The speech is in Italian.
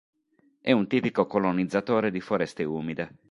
È un tipico colonizzatore di foreste umide.